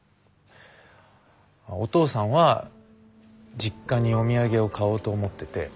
お父さんは実家にお土産を買おうと思ってて。